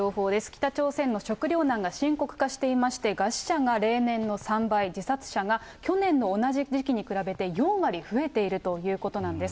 北朝鮮の食糧難が深刻化していまして、餓死者が例年の３倍、自殺者が去年の同じ時期に比べて４割増えているということなんです。